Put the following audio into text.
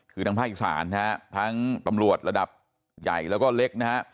คือทางภาคอีกษานทั้งตำรวจระดับใหญ่แล้วก็เล็ก